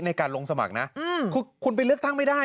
ยังยังน่ะยังไม่โดน